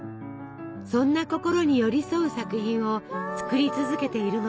そんな心に寄り添う作品を作り続けているのです。